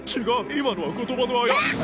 違う今のは言葉のあや。